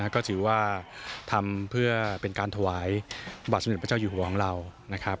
ก็ถือว่าทำเพื่อเป็นการถวายบาทสมเด็จพระเจ้าอยู่หัวของเรานะครับ